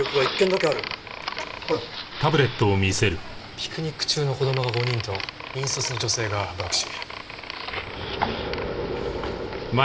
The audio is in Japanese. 「ピクニック中の子供が５人と引率の女性が爆死」。